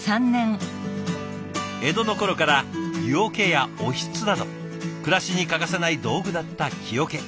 江戸の頃から湯涌やおひつなど暮らしに欠かせない道具だった木桶。